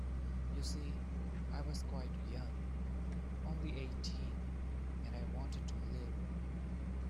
You see, I was quite young — only eighteen — and I wanted to live.